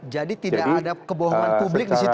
jadi tidak ada kebohongan publik di situ pak ya